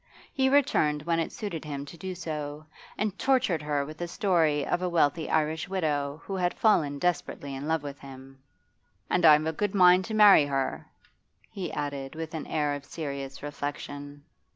He returned when it suited him to do so, and tortured her with a story of a wealthy Irish widow who had fallen desperately in love with him. 'And I've a good mind to marry her,' he added with an air of serious reflection.